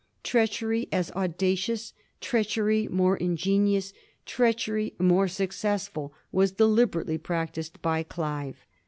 Treachery as audacious, treachery more in genious, treachery more successful, was deliberately prac tised by Clive.